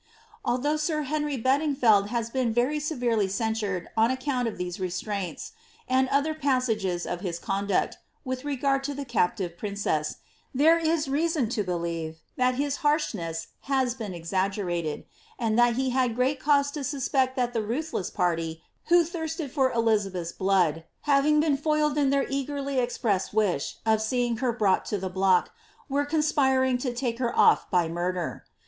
Although sir Henry Bedingfeld has been very severely censured on account of these restraints, and other passages of his conduct, with regard to the captive princess, there is reason to believe that his harshness has been exagge rated, and that he had great cause to suspect that the ruthless party who thirsted for Elizabeth's blood, having been foiled in their eageriy ex pressed wish of seeing her brought to the block, were conspiring to take her off by murder.